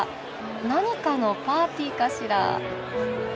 何かのパーティーかしら。